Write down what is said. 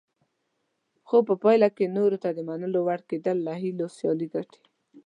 خو په پایله کې نورو ته د منلو وړ کېدل له هیلو سیالي ګټي.